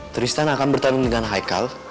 tristan akan bertanding dengan haikal